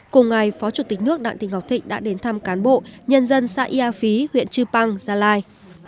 cùng ngày phó chủ tịch nước đặng thị ngọc thịnh đã đến thăm cán bộ nhân dân xã ia phí huyện chư păng gia lai